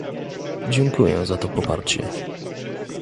Dziękuję za to poparcie